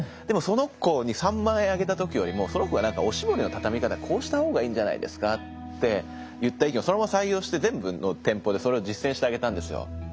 でもその子に３万円あげた時よりもその子がなんか「おしぼりのたたみ方こうした方がいいんじゃないですか」って言った意見をそのまま採用して全部の店舗でそれを実践してあげたんですよ。